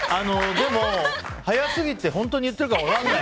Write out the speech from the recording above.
でも、速すぎて本当に言ってるか分からない。